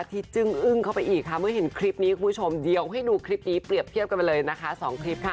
ที่จึ้งอึ้งเข้าไปอีกค่ะเมื่อเห็นคลิปนี้คุณผู้ชมเดี๋ยวให้ดูคลิปนี้เปรียบเทียบกันมาเลยนะคะ๒คลิปค่ะ